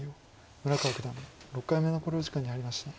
村川九段６回目の考慮時間に入りました。